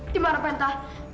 di mana penta